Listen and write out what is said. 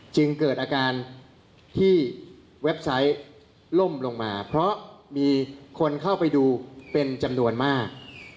จึงเกิดอาการที่เว็บไซต์ล่มลงมาเพราะมีคนเข้าไปดูเป็นจำนวนมาก